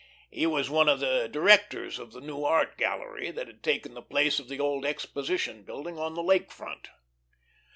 He was one of the directors of the new Art Gallery that had taken the place of the old Exposition Building on the Lake Front.